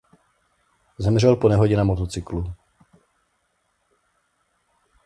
Zemřel po nehodě na motocyklu.